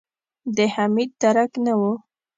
د حميد درک نه و.